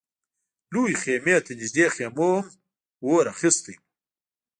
لويې خيمې ته نږدې خيمو هم اور اخيستی و.